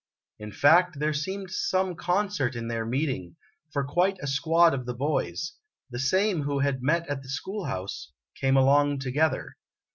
In fact, there seemed some concert in their meeting, for quite a squad of the boys the same who had met at the school house came along together.